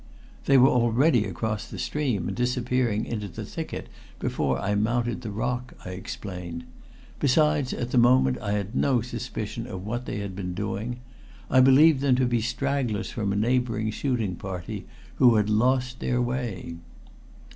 "They were already across the stream, and disappearing into the thicket before I mounted the rock," I explained. "Besides, at the moment I had no suspicion of what they'd been doing. I believed them to be stragglers from a neighboring shooting party who had lost their way."